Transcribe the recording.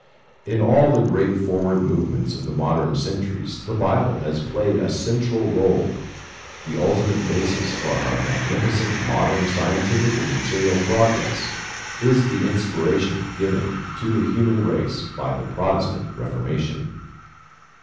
In all the great forward movements of the modern centuries the Bible has played a central role. The ultimate basis of our magnificent modern scientific and material progress is the inspiration given to the human race by the Protestant Reformation.